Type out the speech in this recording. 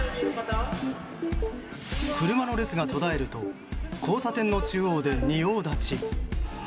車の列が途絶えると交差点の中央で仁王立ち。